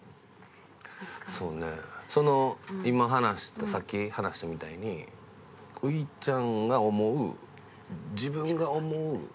今話したさっき話したみたいに羽衣ちゃんが思う自分が思う欠点は？